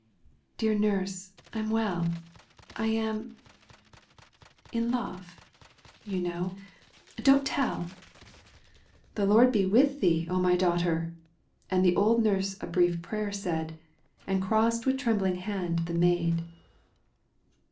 — "Dear nurse, Fm welL I am — ^in love — ^you know — don't tell !"" The Lord be with thee, my daughter !"— And the old nurse a brief prayer said And crossed with trembling hand the maid.